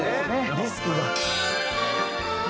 リスクが。